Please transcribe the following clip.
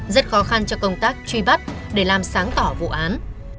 rất khó khăn cho công tác truy bắt để làm sáng tỏ vụ án